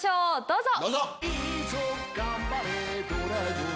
どうぞ！